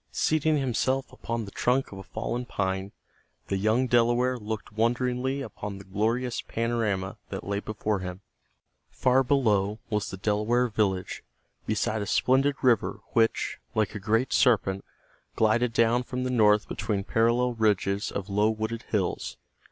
Seating himself upon the trunk of a fallen pine the young Delaware looked wonderingly upon the glorious panorama that lay before him. Far below was the Delaware village beside a splendid river which, like a great serpent, glided down from the north between parallel ridges of low wooded hills.